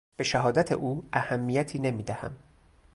به شهادت او اهمیتی نمیدهم.